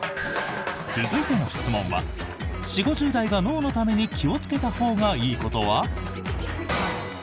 続いての質問は４０５０代が脳のために気をつけたほうがいいことは？